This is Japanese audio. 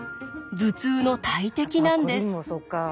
頭痛の大敵なんです。